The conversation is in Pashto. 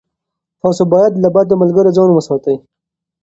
تاسو باید له بدو ملګرو ځان وساتئ.